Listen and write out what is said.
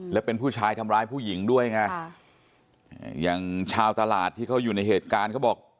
แล้วเป็นผู้ชายทำร้ายผู้หญิงด้วยไงอย่างชาวตลาดที่เขาอยู่ในเหตุการณ์เขาบอก